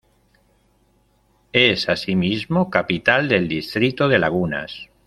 Es asimismo capital del distrito de Lagunas.